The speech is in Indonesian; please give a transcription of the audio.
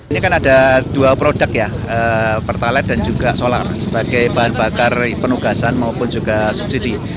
ini kan ada dua produk ya pertalite dan juga solar sebagai bahan bakar penugasan maupun juga subsidi